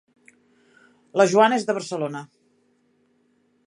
La Joana és de Barcelona.